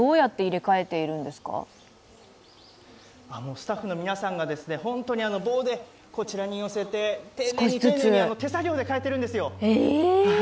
スタッフの皆さんが棒でこちらに寄せて、丁寧に丁寧に手作業でかえてるんですよ。